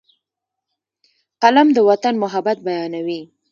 قلم د وطن محبت بیانوي